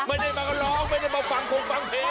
ไม่ได้มาร้องไม่ได้มาฟังพงฟังเพลง